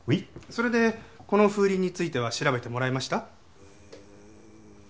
それでこの風鈴については調べてもらえました？